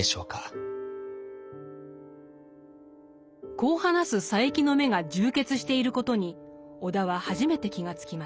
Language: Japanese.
こう話す佐柄木の眼が充血していることに尾田は初めて気が付きます。